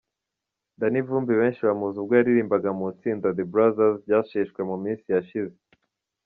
Danny Vumbi benshi bamuzi ubwo yaririmbaga mu itsinda The Brothers ryaseshwe mu minsi yashize .